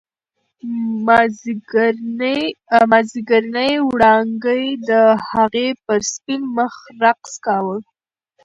مازیګرنۍ وړانګې د هغې پر سپین مخ رقص کاوه.